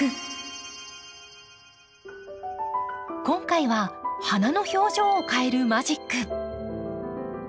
今回は花の表情を変えるマジック。